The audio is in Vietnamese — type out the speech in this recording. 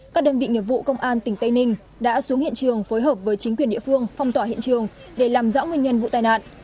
các đơn vị nghiệp vụ công an tỉnh tây ninh đã xuống hiện trường phối hợp với chính quyền địa phương phong tỏa hiện trường để làm rõ nguyên nhân vụ tai nạn